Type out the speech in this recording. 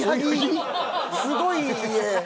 すごい家！